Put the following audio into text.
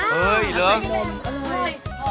เฮ่ยเหลือ